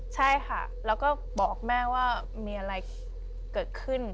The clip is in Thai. ใช่ค่ะแล้วก็บอกแม่ว่ามีอะไรเกิดขึ้น